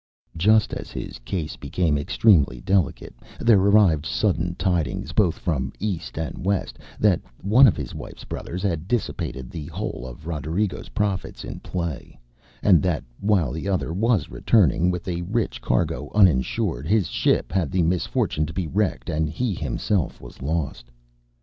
Just as his case became extremely delicate, there arrived sudden tidings both from East and West that one of his wifeŌĆÖs brothers had dissipated the whole of RoderigoŌĆÖs profits in play, and that while the other was returning with a rich cargo uninsured, his ship had the misfortune to be wrecked, and he himself was lost.